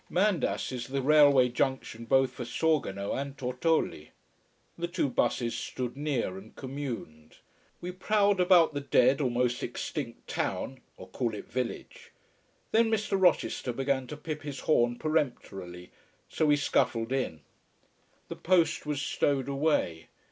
Mandas is the railway junction both for Sorgono and Tortolì. The two buses stood near and communed. We prowled about the dead, almost extinct town or call it village. Then Mr. Rochester began to pip his horn peremptorily, so we scuffled in. The post was stowed away.